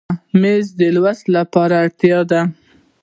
مېز د لوست لپاره اړتیا ده.